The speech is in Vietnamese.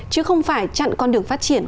chứ không phải chặn con đường phát triển